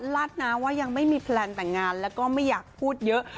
ลัดนะว่ายังไม่มีแพลนแต่งงานแล้วก็ไม่อยากพูดเยอะ